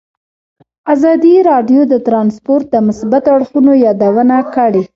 ازادي راډیو د ترانسپورټ د مثبتو اړخونو یادونه کړې.